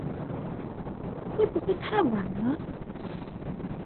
會不會太晚了？